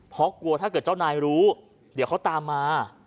เพราะกลัวถ้าเกิดเจ้านายรู้เดี๋ยวเขาตามมา